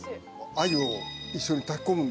鮎を一緒に炊き込むんですね。